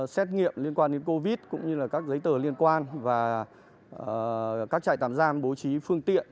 xét nghiệm liên quan đến covid cũng như các giấy tờ liên quan và các trại tạm giam bố trí phương tiện